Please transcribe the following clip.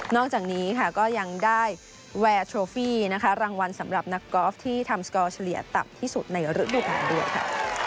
จากนี้ค่ะก็ยังได้แวร์โชฟี่นะคะรางวัลสำหรับนักกอล์ฟที่ทำสกอร์เฉลี่ยต่ำที่สุดในฤดูการด้วยค่ะ